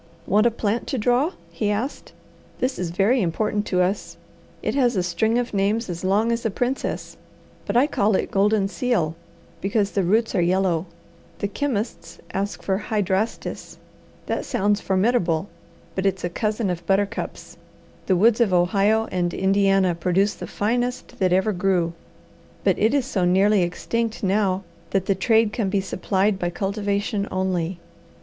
"Want a plant to draw?" he asked. "This is very important to us. It has a string of names as long as a princess, but I call it goldenseal, because the roots are yellow. The chemists ask for hydrastis. That sounds formidable, but it's a cousin of buttercups. The woods of Ohio and Indiana produce the finest that ever grew, but it is so nearly extinct now that the trade can be supplied by cultivation only.